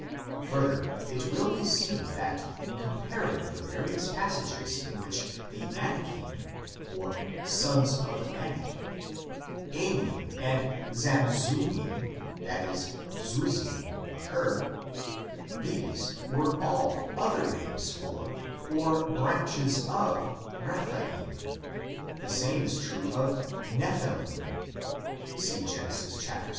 Further, it will be seen that in comparing the various passages in which the Anakim (or " sons of Anak"), Emim, and Zamzummim (= Zuzim) occur, these were all other names for, or branches of, Rephaim ; the same is true of Nephilim (see Gen. vi.